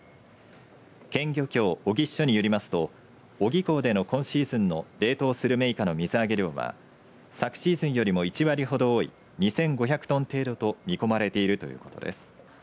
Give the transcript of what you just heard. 見漁協小木支所によりますと小木港での今シーズンの冷凍スルメイカの水揚げ量は昨シーズンよりも１割ほど多い２５００トン程度と見込まれているということです。